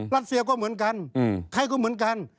รัสเซียก็เหมือนกันใครก็เหมือนกัน